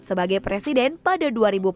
sejak dia menjadi presiden pada dua ribu empat belas